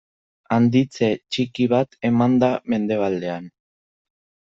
Handitze txiki bat eman da mendebaldean.